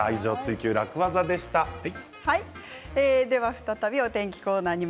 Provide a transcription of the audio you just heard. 再びお天気コーナー。